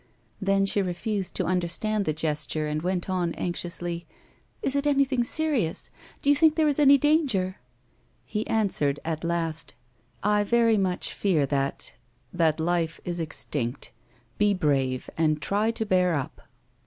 Then she refused to understand the gesture, and went on anxiously. A WOMAN'S LIFE. 153 " Is it anything serious 1 Do you think there is any danger 1 " He answered at last, " I very much fear that — that life is extinct. Be brave and try to bear up."